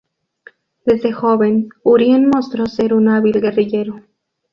Desde joven, Urien mostró ser un hábil guerrillero.